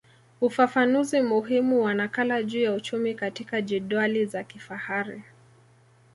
Ufafanuzi muhimu wa nakala juu ya uchumi katika jedwali za kifahari